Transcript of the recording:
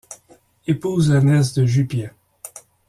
Épouse la nièce de Jupien.